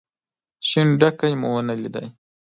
شين ډکی مو ونه ليد.